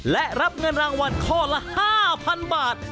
และรับเงินรางวัลข้อละ๕๐๐๐บาท